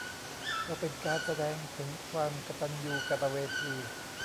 ก็เป็นการแสดงถึงความกตัญญูกตเวที